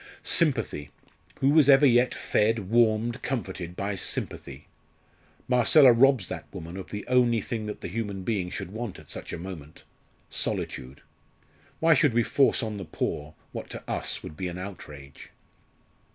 "Sympathy! who was ever yet fed, warmed, comforted by sympathy? Marcella robs that woman of the only thing that the human being should want at such a moment solitude. Why should we force on the poor what to us would be an outrage?"